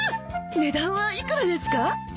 値段は幾らですか？